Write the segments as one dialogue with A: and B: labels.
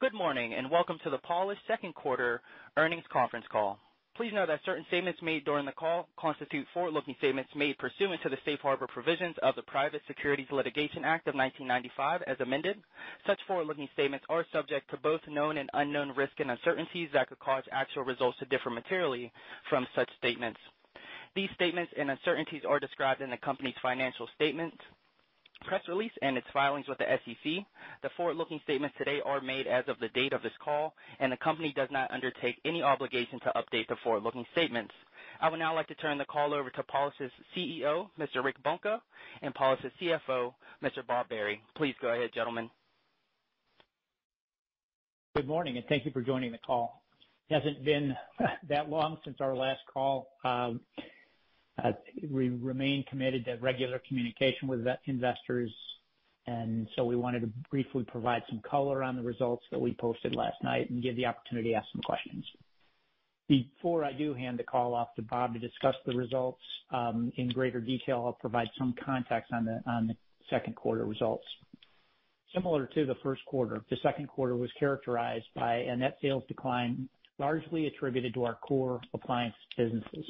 A: Good morning, and welcome to the Polished second quarter earnings conference call. Please note that certain statements made during the call constitute forward-looking statements made pursuant to the Safe Harbor Provisions of the Private Securities Litigation Reform Act of 1995, as amended. Such forward-looking statements are subject to both known and unknown risks and uncertainties that could cause actual results to differ materially from such statements. These statements and uncertainties are described in the company's financial statement, press release, and its filings with the SEC. The forward-looking statements today are made as of the date of this call, and the company does not undertake any obligation to update the forward-looking statements. I would now like to turn the call over to Polished's CEO, Mr. Rick Bunka, and Polished's CFO, Mr. Bob Barry. Please go ahead, gentlemen.
B: Good morning. Thank you for joining the call. It hasn't been that long since our last call. We remain committed to regular communication with investors. We wanted to briefly provide some color on the results that we posted last night and give the opportunity to ask some questions. Before I do hand the call off to Bob to discuss the results in greater detail, I'll provide some context on the second quarter results. Similar to the first quarter, the second quarter was characterized by a net sales decline, largely attributed to our core appliance businesses.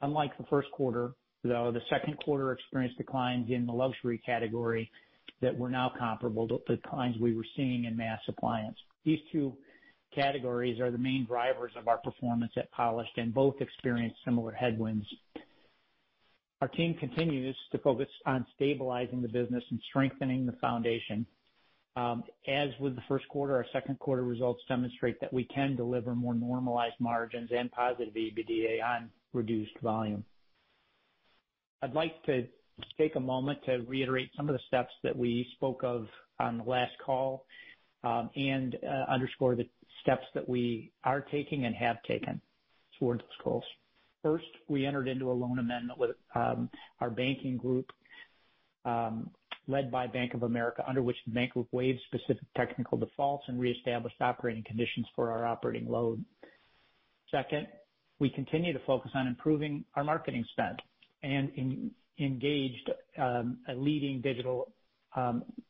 B: Unlike the first quarter, though, the second quarter experienced declines in the luxury category that were now comparable to the declines we were seeing in mass appliance. These two categories are the main drivers of our performance at Polished, and both experienced similar headwinds. Our team continues to focus on stabilizing the business and strengthening the foundation. As with the first quarter, our second quarter results demonstrate that we can deliver more normalized margins and positive EBITDA on reduced volume. I'd like to take a moment to reiterate some of the steps that we spoke of on the last call, and underscore the steps that we are taking and have taken towards those goals. First, we entered into a loan amendment with our banking group, led by Bank of America, under which the bank waived specific technical defaults and reestablished operating conditions for our operating loan. Second, we continue to focus on improving our marketing spend and engaged a leading digital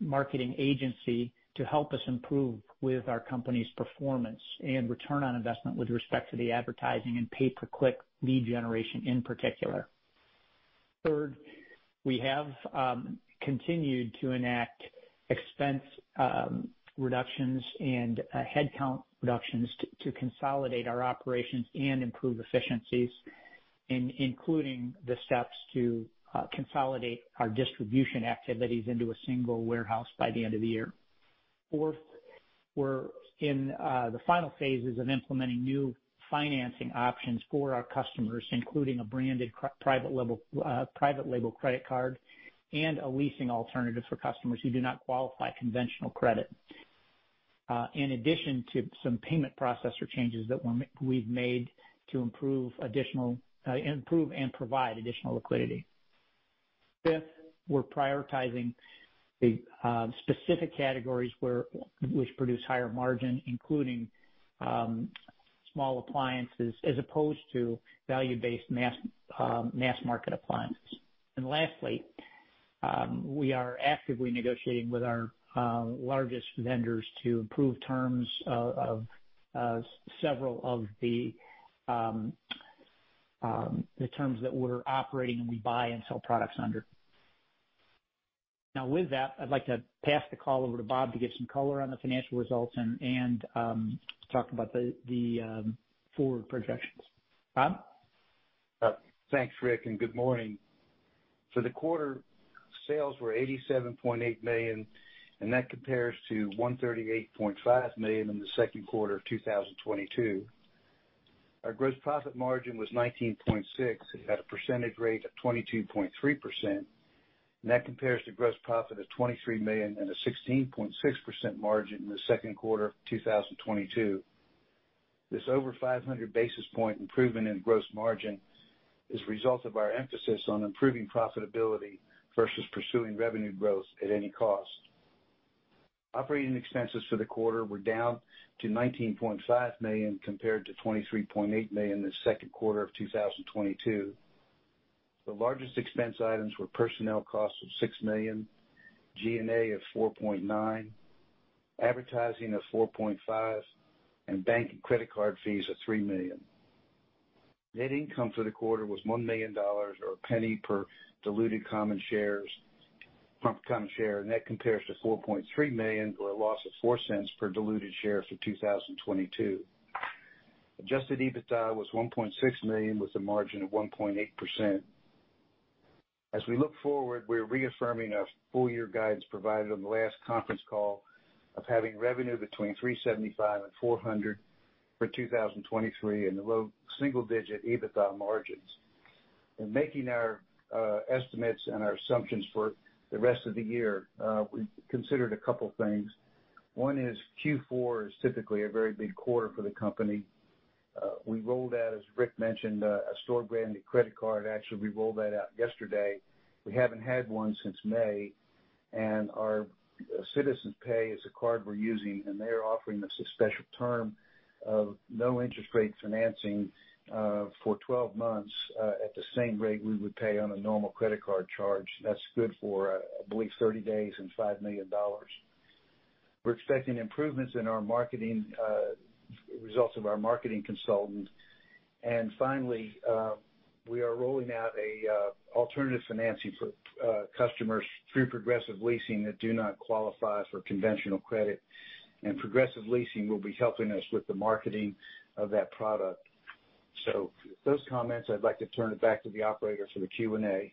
B: marketing agency to help us improve with our company's performance and return on investment with respect to the advertising and pay-per-click lead generation in particular. Third, we have continued to enact expense reductions and headcount reductions to, to consolidate our operations and improve efficiencies, including the steps to consolidate our distribution activities into a single warehouse by the end of the year. Fourth, we're in the final phases of implementing new financing options for our customers, including a branded private label private label credit card, and a leasing alternative for customers who do not qualify conventional credit. In addition to some payment processor changes that were we've made to improve additional, improve and provide additional liquidity. Fifth, we're prioritizing the specific categories where, which produce higher margin, including small appliances, as opposed to value-based mass, mass market appliances. Lastly, we are actively negotiating with our largest vendors to improve terms of several of the terms that we're operating, and we buy and sell products under. Now, with that, I'd like to pass the call over to Bob to give some color on the financial results and, and, talk about the forward projections. Bob?
C: Thanks, Rick, good morning. For the quarter, sales were $87.8 million, and that compares to $138.5 million in the second quarter of 2022. Our gross profit margin was $19.6 million at a percentage rate of 22.3%, and that compares to gross profit of $23 million and a 16.6% margin in the second quarter of 2022. This over 500 basis point improvement in gross margin is a result of our emphasis on improving profitability versus pursuing revenue growth at any cost. Operating expenses for the quarter were down to $19.5 million, compared to $23.8 million in the second quarter of 2022. The largest expense items were personnel costs of $6 million, G&A of $4.9 million, advertising of $4.5 million, and bank and credit card fees of $3 million. Net income for the quarter was $1 million, or $0.01 per diluted common shares, per common share, that compares to $4.3 million, or a loss of $0.04 per diluted share for 2022. Adjusted EBITDA was $1.6 million, with a margin of 1.8%. As we look forward, we're reaffirming our full year guidance provided on the last conference call of having revenue between $375 million and $400 million for 2023, and the low single digit EBITDA margins. In making our estimates and our assumptions for the rest of the year, we considered a couple things. One is Q4 is typically a very big quarter for the company. We rolled out, as Rick mentioned, a store branded credit card. Actually, we rolled that out yesterday. We haven't had one since May, and our Citizens Pay is the card we're using, and they are offering us a special term of no interest rate financing, for 12 months, at the same rate we would pay on a normal credit card charge. That's good for, I believe, 30 days and $5 million. We're expecting improvements in our marketing, results of our marketing consultant. Finally, we are rolling out a, alternative financing for customers through Progressive Leasing that do not qualify for conventional credit. Progressive Leasing will be helping us with the marketing of that product. With those comments, I'd like to turn it back to the operator for the Q&A.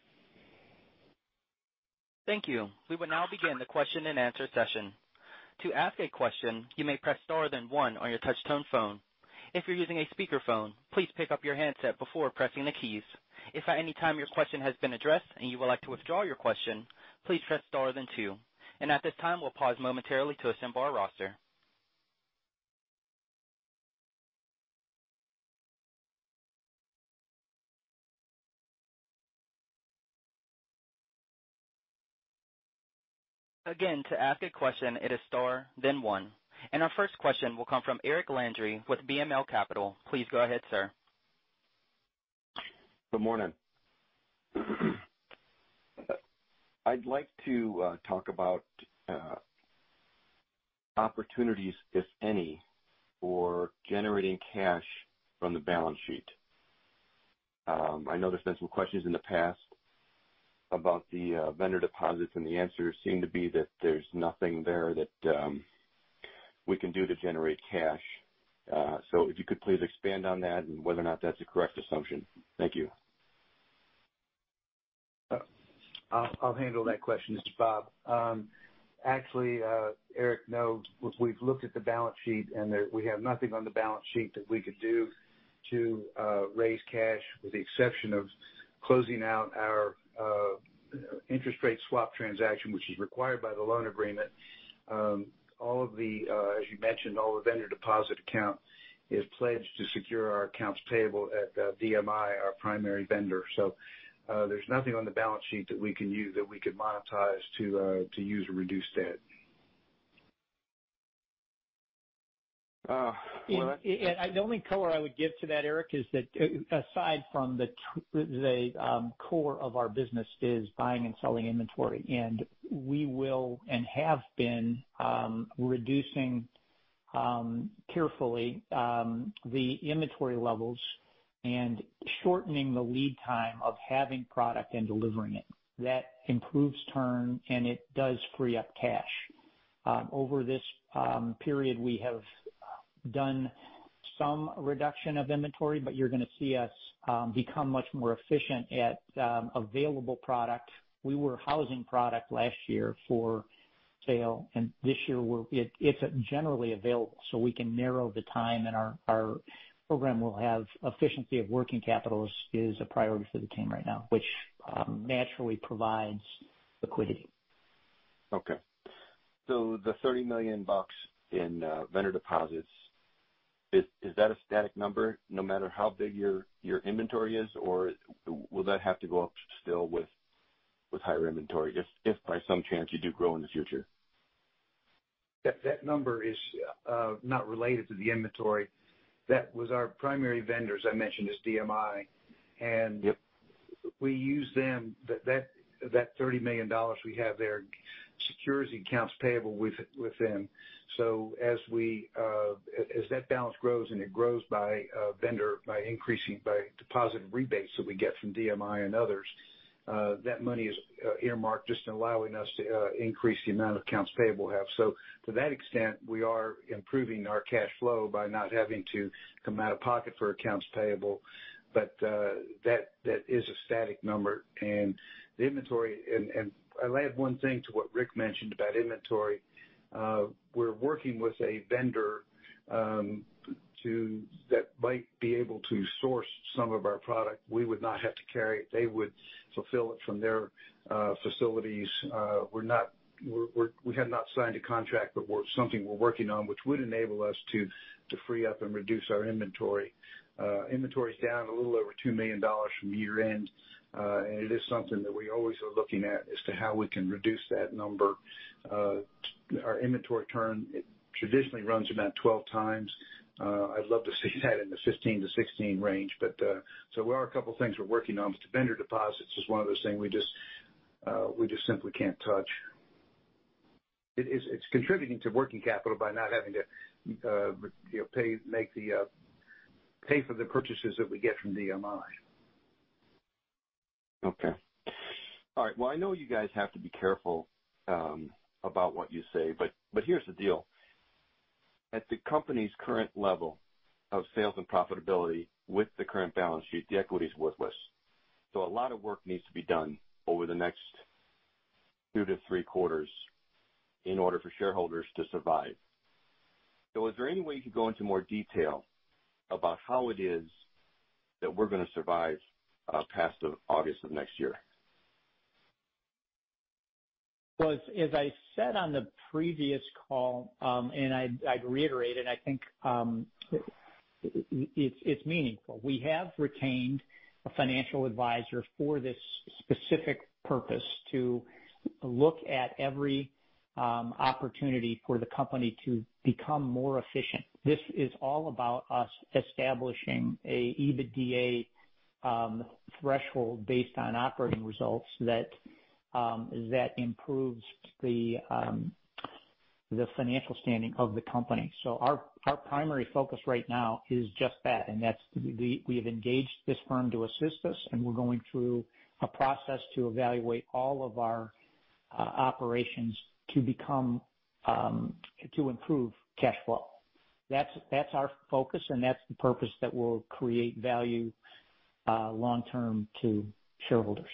A: Thank you. We will now begin the question-and-answer session. To ask a question, you may press star then one on your touch-tone phone. If you're using a speakerphone, please pick up your handset before pressing the keys. If at any time your question has been addressed and you would like to withdraw your question, please press star then two. At this time, we'll pause momentarily to assemble our roster. Again, to ask a question, it is star then one. Our first question will come from Eric Landry with BML Capital. Please go ahead, sir.
D: Good morning. I'd like to talk about opportunities, if any, for generating cash from the balance sheet. I know there's been some questions in the past about the vendor deposits, and the answers seem to be that there's nothing there that we can do to generate cash. If you could please expand on that and whether or not that's a correct assumption. Thank you.
C: I'll, I'll handle that question. This is Bob. Actually, Eric, no, we've, we've looked at the balance sheet, and there, we have nothing on the balance sheet that we could do to raise cash, with the exception of closing out our interest rate swap transaction, which is required by the loan agreement. As you mentioned, all the vendor deposit account is pledged to secure our accounts payable at DMI, our primary vendor. There's nothing on the balance sheet that we can use- that we could monetize to use or reduce debt.
D: Well,
B: The only color I would give to that, Eric, is that aside from the core of our business is buying and selling inventory, and we will and have been reducing carefully the inventory levels and shortening the lead time of having product and delivering it. That improves turn, and it does free up cash. Over this period, we have done some reduction of inventory, but you're gonna see us become much more efficient at available product. We were housing product last year for sale, and this year it's generally available, so we can narrow the time, and our program will have efficiency of working capital is a priority for the team right now, which naturally provides liquidity.
D: Okay, the $30 million in vendor deposits, is that a static number, no matter how big your inventory is? Or will that have to go up still with higher inventory, if by some chance you do grow in the future?
B: That, that number is not related to the inventory. That was our primary vendors, I mentioned, is DMI.
D: Yep.
C: we use them. That, that, that $30 million we have there secures the accounts payable with, with them. As we, as, as that balance grows, and it grows by, vendor, by increasing by deposit and rebates that we get from DMI and others, that money is, earmarked just allowing us to, increase the amount of accounts payable we have. To that extent, we are improving our cash flow by not having to come out of pocket for accounts payable, but, that, that is a static number. The inventory. I'll add 1 thing to what Rick mentioned about inventory. We're working with a vendor, that might be able to source some of our product. We would not have to carry it. They would fulfill it from their, facilities. We're not, we have not signed a contract, but something we're working on, which would enable us to, to free up and reduce our inventory. Inventory is down a little over $2 million from year-end. It is something that we always are looking at as to how we can reduce that number. Our inventory turn, it traditionally runs about 12 times. I'd love to see that in the 15-16 range. There are a couple of things we're working on, but the vendor deposits is one of those things we just simply can't touch. It is, it's contributing to working capital by not having to, you know, pay, make the, pay for the purchases that we get from DMI.
D: Okay. All right. Well, I know you guys have to be careful about what you say, but here's the deal: At the company's current level of sales and profitability, with the current balance sheet, the equity is worthless, so a lot of work needs to be done over the next two to three quarters in order for shareholders to survive. Is there any way you can go into more detail about how it is that we're gonna survive past the August of next year?
B: Well, as, as I said on the previous call, and I'd, I'd reiterate it, I think, it's meaningful. We have retained a financial advisor for this specific purpose, to look at every opportunity for the company to become more efficient. This is all about us establishing a EBITDA threshold based on operating results that, that improves the financial standing of the company. Our, our primary focus right now is just that. We have engaged this firm to assist us, and we're going through a process to evaluate all of our operations to become, to improve cash flow. That's, that's our focus, and that's the purpose that will create value, long term to shareholders.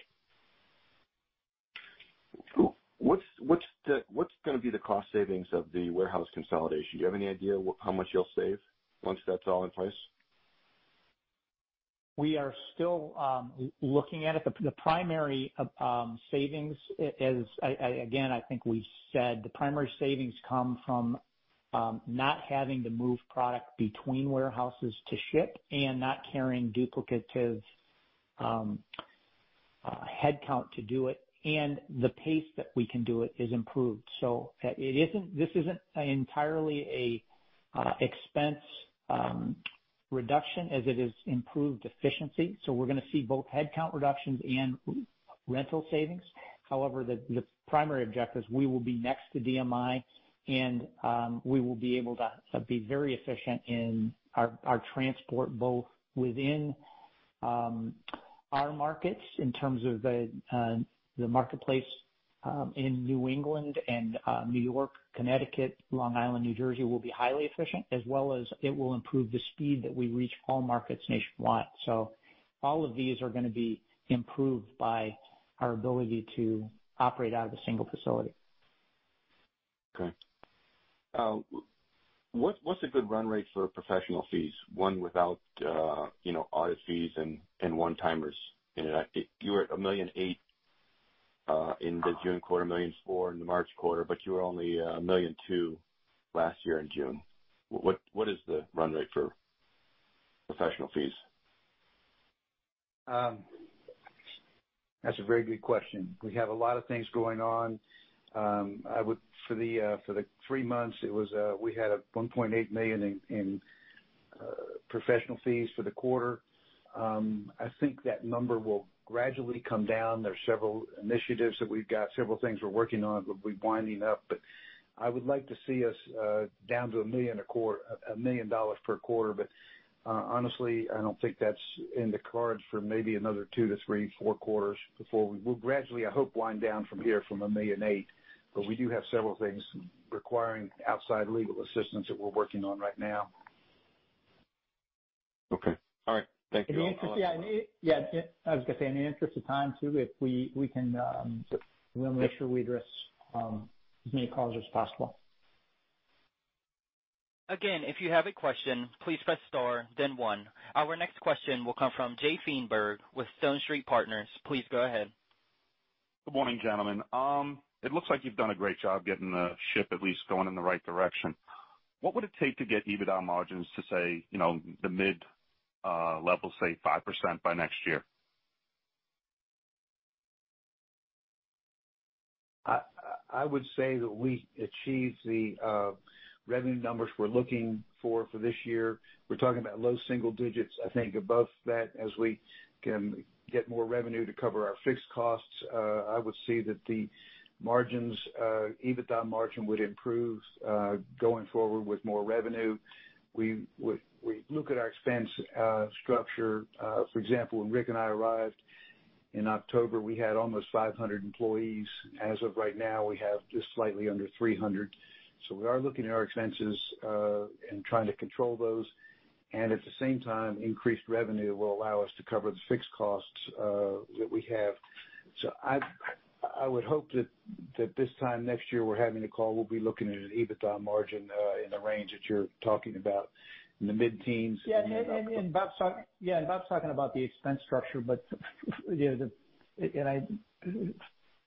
D: Cool. What's, what's what's gonna be the cost savings of the warehouse consolidation? Do you have any idea how much you'll save once that's all in place?
B: We are still looking at it. The, the primary savings is again, I think we said the primary savings come from not having to move product between warehouses to ship and not carrying duplicative headcount to do it, and the pace that we can do it is improved. This isn't entirely a expense reduction as it is improved efficiency. We're gonna see both headcount reductions and rental savings. However, the, the primary objective is we will be next to DMI and we will be able to, to be very efficient in our, our transport, both within our markets in terms of the marketplace in New England and New York, Connecticut, Long Island, New Jersey, will be highly efficient, as well as it will improve the speed that we reach all markets nationwide. All of these are gonna be improved by our ability to operate out of a single facility.
D: Okay. What, what's a good run rate for professional fees? One without, you know, audit fees and, and one-timers in it. You were at $1.8 million in the June quarter, $1.4 million in the March quarter, but you were only $1.2 million last year in June. What, what is the run rate for professional fees?
C: That's a very good question. We have a lot of things going on. For the three months, it was, we had a $1.8 million in professional fees for the quarter. I think that number will gradually come down. There are several initiatives that we've got, several things we're working on, that we're winding up, but I would like to see us down to $1 million per quarter. Honestly, I don't think that's in the cards for maybe another two to three, four quarters before we... We'll gradually, I hope, wind down from here from $1.8 million, but we do have several things requiring outside legal assistance that we're working on right now.
D: Okay. All right. Thank you.
B: Yeah, yeah. I was gonna say, in the interest of time, too, if we, we can, we want to make sure we address, as many callers as possible.
A: Again, if you have a question, please press star then one. Our next question will come from Jay Feinberg with Stone Street Partners. Please go ahead.
E: Good morning, gentlemen. It looks like you've done a great job getting the ship at least going in the right direction. What would it take to get EBITDA margins to say, you know, the mid level, say, 5% by next year?
C: I, I would say that we achieve the revenue numbers we're looking for, for this year. We're talking about low single digits. I think above that, as we can get more revenue to cover our fixed costs, I would say that the margins, EBITDA margin would improve going forward with more revenue. We, we, we look at our expense structure. For example, when Rick and I arrived in October, we had almost 500 employees. As of right now, we have just slightly under 300. So we are looking at our expenses, and trying to control those, and at the same time, increased revenue will allow us to cover the fixed costs that we have. I would hope that, that this time next year, we're having a call, we'll be looking at an EBITDA margin in the range that you're talking about in the mid-teens.
B: And Bob's talking, yeah, and Bob's talking about the expense structure, but, you know, the. I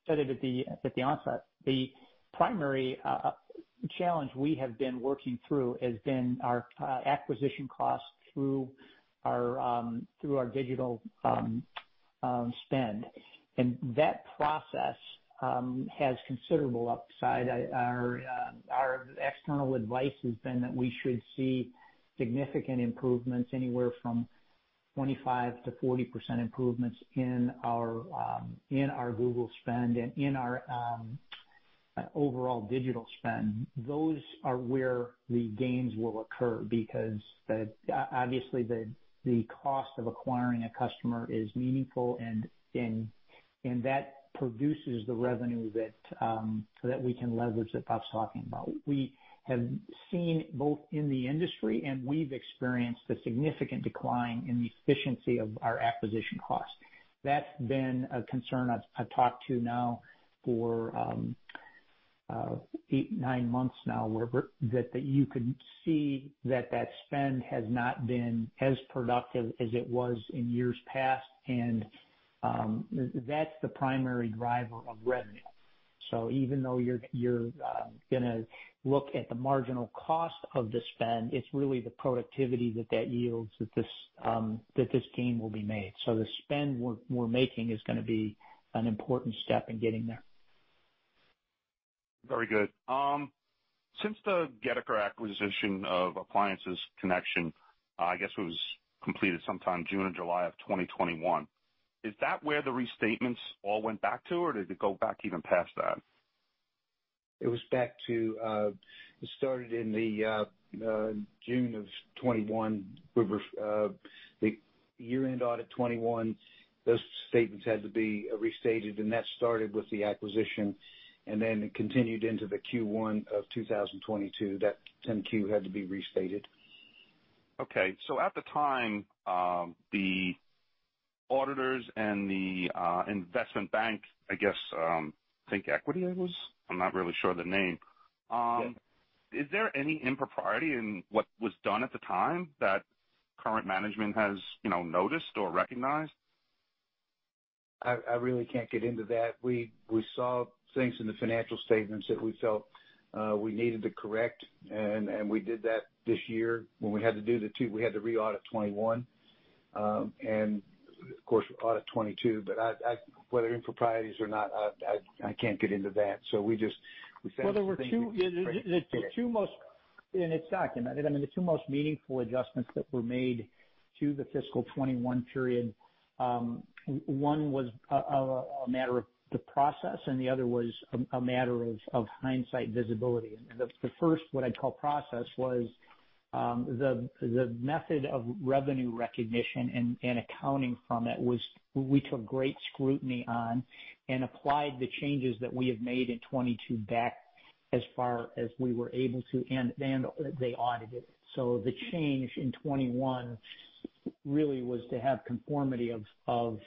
B: said it at the onset, the primary challenge we have been working through has been our acquisition costs through our digital spend. That process has considerable upside. Our external advice has been that we should see significant improvements, anywhere from 25%-40% improvements in our Google spend and in our overall digital spend. Those are where the gains will occur, because the obviously, the cost of acquiring a customer is meaningful, and, and, and that produces the revenue that we can leverage that Bob's talking about. We have seen, both in the industry and we've experienced, a significant decline in the efficiency of our acquisition cost. That's been a concern I've, I've talked to now for, eight, nine months now, where that, that you can see that, that spend has not been as productive as it was in years past. That's the primary driver of revenue. Even though you're, you're, gonna look at the marginal cost of the spend, it's really the productivity that, that yields, that this, that this gain will be made. The spend we're, we're making is gonna be an important step in getting there.
E: Very good. Since the Goedeker acquisition of Appliances Connection, I guess it was completed sometime June or July of 2021, is that where the restatements all went back to, or did it go back even past that?
C: It was back to, it started in the, June of 2021. We were, the year-end audit 2021, those statements had to be restated. That started with the acquisition. It continued into the Q1 of 2022. That 10-Q had to be restated.
E: Okay. at the time, the auditors and the investment bank, I guess, ThinkEquity, it was? I'm not really sure of the name.
C: Yes.
E: Is there any impropriety in what was done at the time that current management has, you know, noticed or recognized?
C: I, I really can't get into that. We, we saw things in the financial statements that we felt we needed to correct, and, and we did that this year when we had to do the two -- we had to re-audit 2021, and of course audit 2022. I, I, whether improprieties or not, I, I, I can't get into that. We just, we found-
B: Well, there were two. The two most, and it's documented, I mean, the two most meaningful adjustments that were made to the fiscal 2021 period, one was a matter of the process, and the other was a matter of hindsight visibility. The first, what I'd call process, was the method of revenue recognition and accounting from it was, we took great scrutiny on and applied the changes that we have made in 2022 back as far as we were able to, and then they audited. The change in 2021 really was to have conformity of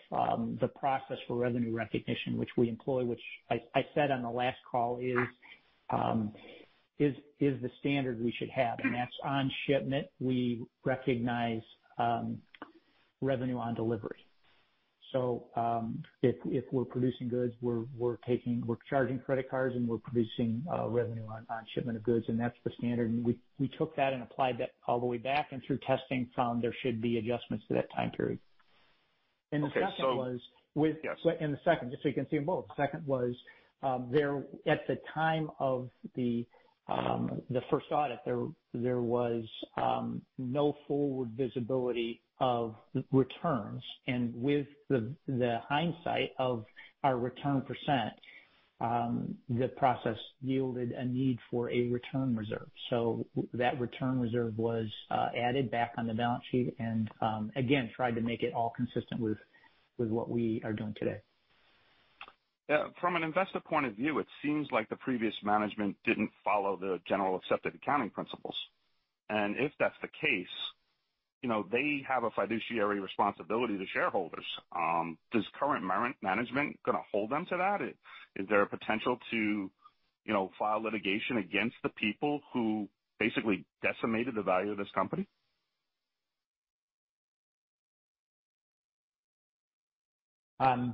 B: the process for revenue recognition, which we employ, which I said on the last call is the standard we should have. That's on shipment. We recognize revenue on delivery. If, if we're producing goods, we're, we're taking, we're charging credit cards and we're producing revenue on, on shipment of goods, and that's the standard. We, we took that and applied that all the way back, and through testing, found there should be adjustments to that time period.
E: Okay.
B: The second was.
E: Yes.
B: The second, just so you can see them both. The second was, there -- at the time of the, the first audit, there, there was, no forward visibility of returns. With the, the hindsight of our return %, the process yielded a need for a return reserve. That return reserve was added back on the balance sheet and, again, tried to make it all consistent with, with what we are doing today.
E: Yeah, from an investor point of view, it seems like the previous management didn't follow the generally accepted accounting principles. If that's the case, you know, they have a fiduciary responsibility to shareholders. Does current management gonna hold them to that? Is there a potential to, you know, file litigation against the people who basically decimated the value of this company?
B: I, I,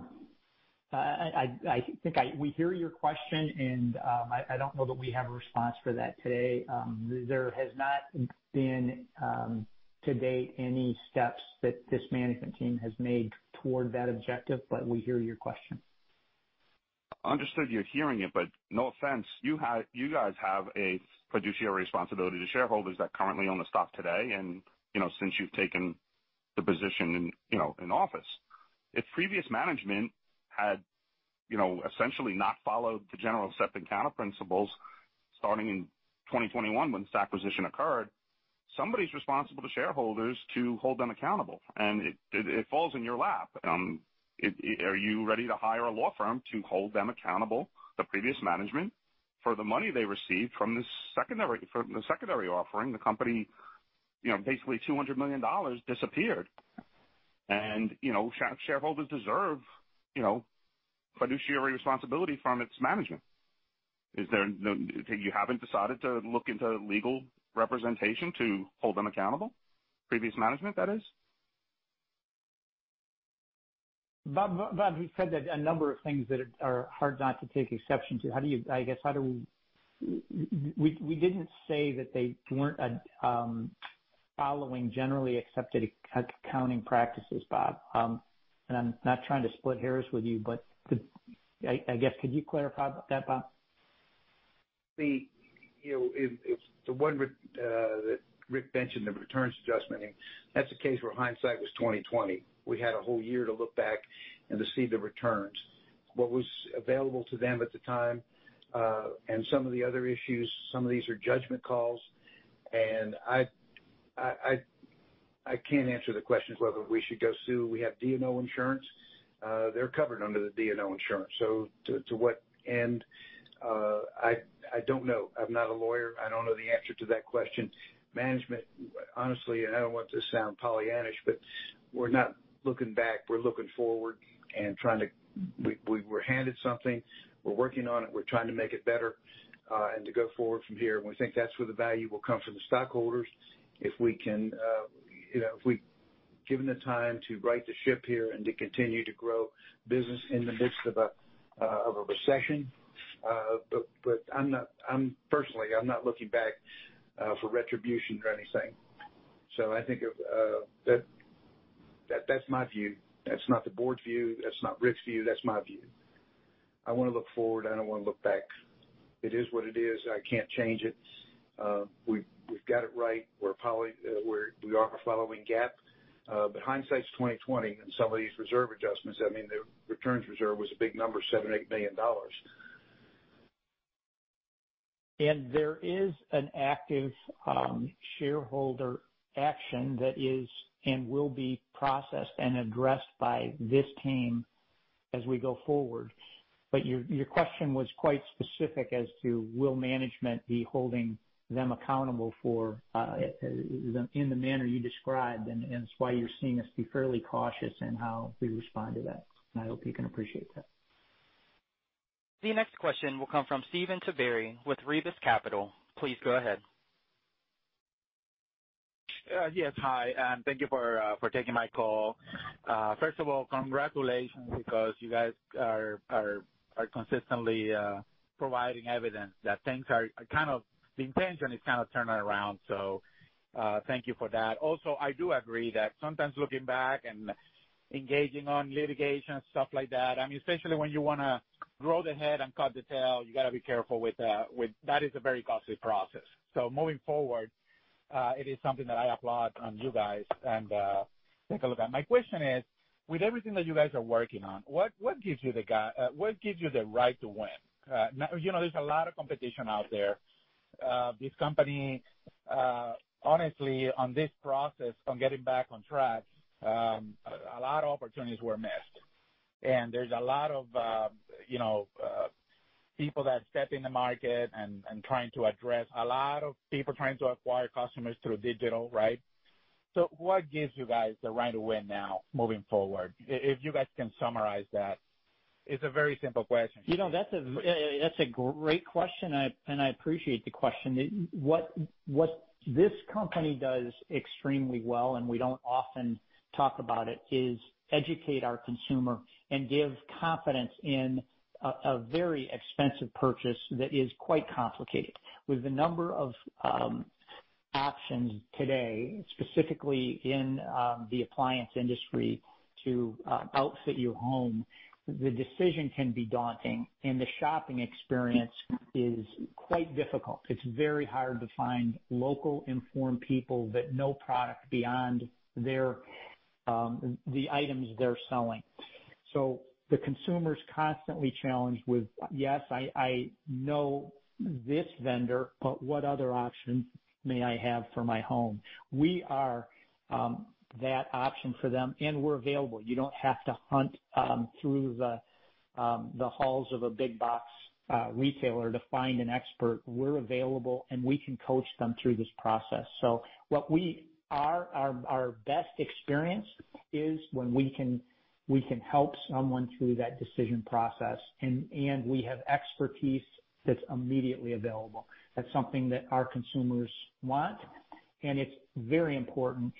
B: I think we hear your question, and I, I don't know that we have a response for that today. There has not been, to date, any steps that this management team has made toward that objective, but we hear your question.
E: Understood you're hearing it, no offense, you guys have a fiduciary responsibility to shareholders that currently own the stock today, and, you know, since you've taken the position in, you know, in office. If previous management had, you know, essentially not followed the generally accepted accounting principles starting in 2021, when this acquisition occurred, somebody's responsible to shareholders to hold them accountable, and it, it, it falls in your lap. Are you ready to hire a law firm to hold them accountable, the previous management, for the money they received from the secondary, from the secondary offering? The company, you know, basically $200 million disappeared. You know, shareholders deserve, you know, fiduciary responsibility from its management. Is there no... You haven't decided to look into legal representation to hold them accountable? Previous management, that is.
B: Bob, Bob, you said that a number of things that are hard not to take exception to. How do you, I guess, how do we. We, we didn't say that they weren't following generally accepted accounting practices, Bob. I'm not trying to split hairs with you, but could, I guess, could you clarify that, Bob?
C: The, you know, if, if the one that Rick mentioned, the returns adjustment, that's a case where hindsight was twenty-twenty. We had a whole year to look back and to see the returns. What was available to them at the time, and some of the other issues, some of these are judgment calls, and I, I, I, I can't answer the question whether we should go sue. We have D&O insurance. They're covered under the D&O insurance, so to what end? I, I don't know. I'm not a lawyer. I don't know the answer to that question. Management, honestly, and I don't want this to sound Pollyannish, but we're not looking back, we're looking forward and trying to. We were handed something, we're working on it, we're trying to make it better, and to go forward from here. We think that's where the value will come from the stockholders if we can, you know, given the time to right the ship here and to continue to grow business in the midst of a recession. But I'm not, personally, I'm not looking back for retribution or anything. I think of That, that's my view. That's not the board's view, that's not Rick's view, that's my view. I wanna look forward, I don't wanna look back. It is what it is. I can't change it. We've, we've got it right. We're probably, we are following GAAP, but hindsight's 20/20 in some of these reserve adjustments. I mean, the returns reserve was a big number, $7 million-$8 million.
B: There is an active shareholder action that is, and will be processed and addressed by this team as we go forward. Your, your question was quite specific as to will management be holding them accountable for in the manner you described, and that's why you're seeing us be fairly cautious in how we respond to that, and I hope you can appreciate that.
A: The next question will come from Steven Taveri with Rivas Capital. Please go ahead.
F: Yes, hi, and thank you for taking my call. First of all, congratulations, because you guys are, are, are consistently providing evidence that things are kind of-- the intention is kind of turning around, so thank you for that. Also, I do agree that sometimes looking back and engaging on litigation, stuff like that, I mean, essentially, when you wanna grow the head and cut the tail, you gotta be careful with... That is a very costly process. Moving forward, it is something that I applaud on you guys and take a look at. My question is, with everything that you guys are working on, what, what gives you the right to win? You know, there's a lot of competition out there. This company, honestly, on this process, on getting back on track, a lot of opportunities were missed. There's a lot of, you know, people that step in the market and, and trying to address a lot of people trying to acquire customers through digital, right? What gives you guys the right to win now moving forward? If you guys can summarize that. It's a very simple question.
B: You know, that's a, that's a great question, I, and I appreciate the question. What, what this company does extremely well, and we don't often talk about it, is educate our consumer and give confidence in a, a very expensive purchase that is quite complicated. With the number of options today, specifically in the appliance industry to outfit your home, the decision can be daunting and the shopping experience is quite difficult. It's very hard to find local, informed people that know product beyond their, the items they're selling. The consumer's constantly challenged with, "Yes, I, I know this vendor, but what other options may I have for my home?" We are that option for them, and we're available. You don't have to hunt through the halls of a big box retailer to find an expert. We're available, we can coach them through this process. Our, our, our best experience is when we can, we can help someone through that decision process, and, and we have expertise that's immediately available. That's something that our consumers want, it's very important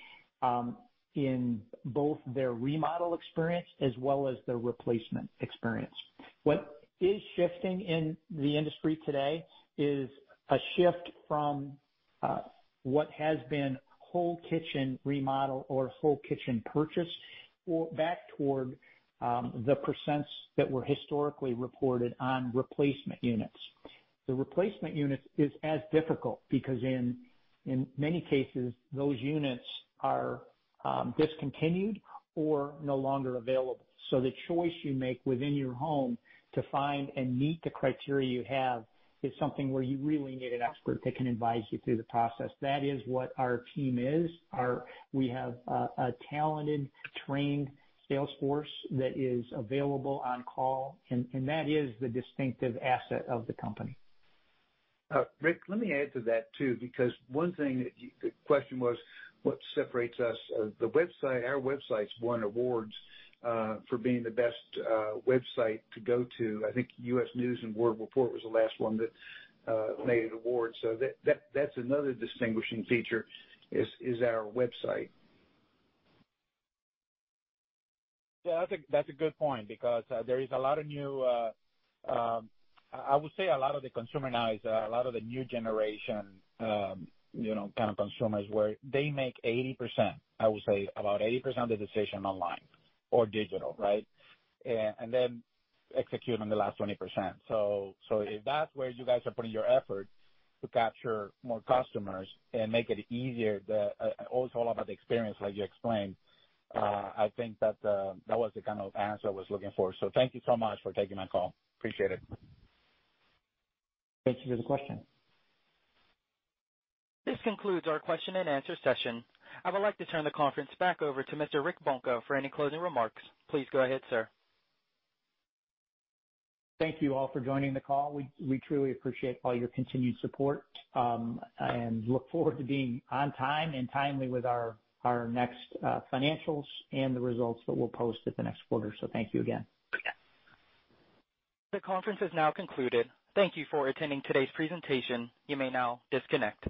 B: in both their remodel experience as well as their replacement experience. What is shifting in the industry today is a shift from what has been whole kitchen remodel or whole kitchen purchase or back toward the percents that were historically reported on replacement units. The replacement units is as difficult because in, in many cases, those units are discontinued or no longer available. The choice you make within your home to find and meet the criteria you have, is something where you really need an expert that can advise you through the process. That is what our team is. We have a talented, trained sales force that is available on call, and that is the distinctive asset of the company.
C: Rick, let me add to that, too, because one thing that the question was: What separates us? The website, our website's won awards, for being the best, website to go to. I think U.S. News & World Report was the last one that, made an award. That, that, that's another distinguishing feature is, is our website.
F: Yeah, that's a, that's a good point, because, there is a lot of new, I would say a lot of the consumer now is, a lot of the new generation, you know, kind of consumers, where they make 80%, I would say about 80% of the decision online or digital, right? Then execute on the last 20%. If that's where you guys are putting your effort to capture more customers and make it easier, the, also all about the experience, like you explained, I think that, that was the kind of answer I was looking for. Thank you so much for taking my call. Appreciate it.
B: Thank you for the question.
A: This concludes our question and answer session. I would like to turn the conference back over to Mr. Rick Bunka for any closing remarks. Please go ahead, sir.
B: Thank you all for joining the call. We, we truly appreciate all your continued support, and look forward to being on time and timely with our, our next, financials and the results that we'll post at the next quarter. Thank you again.
A: This conference is now concluded. Thank you for attending today's presentation. You may now disconnect.